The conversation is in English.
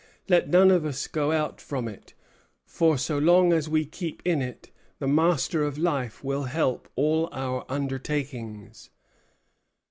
Let none of us go out from it; for so long as we keep in it, the Master of Life will help all our undertakings."